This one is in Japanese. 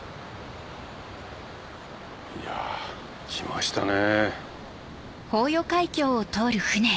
いやぁ来ましたね。